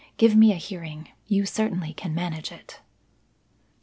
Give me a hearing. You certainly can manage it."